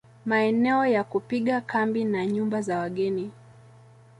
Maeneo ya kupiga kambi na nyumba za wageni